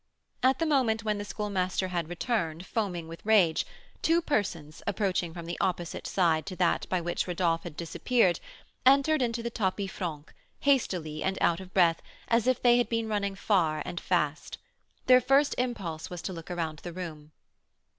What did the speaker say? At the moment when the Schoolmaster had returned, foaming with rage, two persons, approaching from the opposite side to that by which Rodolph had disappeared, entered into the tapis franc, hastily, and out of breath, as if they had been running far and fast. Their first impulse was to look around the room.